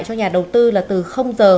cho nhà đầu tư là từ giờ